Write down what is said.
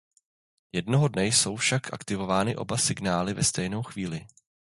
Jednoho dne jsou však aktivovány oba signály ve stejnou chvíli.